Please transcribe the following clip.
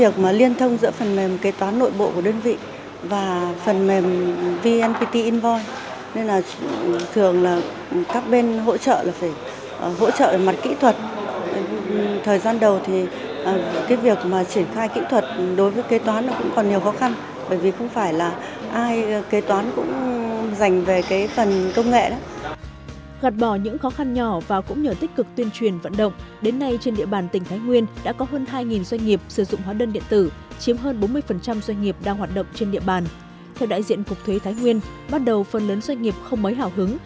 theo đại diện cục thuế thái nguyên bắt đầu phần lớn doanh nghiệp không mới hào hứng